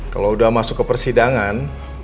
kalau sudah masuk ke persidangan